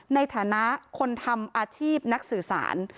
ในฐานะคนทำอาชีพนักสื่อสาร